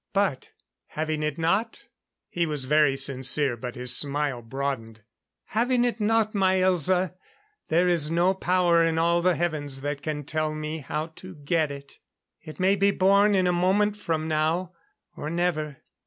But having it not " He was very sincere, but his smile broadened. "Having it not, my Elza, there is no power in all the heavens that can tell me how to get it. It may be born in a moment from now or never.